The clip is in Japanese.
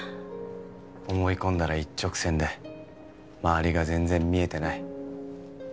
思い込んだら一直線で周りが全然見えてない。